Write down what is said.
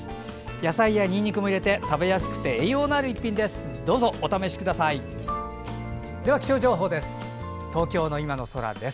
野菜やにんにくも入れて食べやすくて栄養のある一品です。